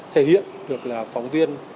thể hiện được là phóng viên